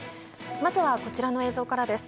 まずはこちらの映像からです。